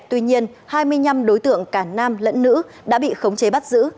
tuy nhiên hai mươi năm đối tượng cả nam lẫn nữ đã bị khống chế bắt giữ